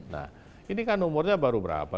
nah ini kan umurnya baru berapa